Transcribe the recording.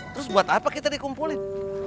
terus buat apa kita dikumpulin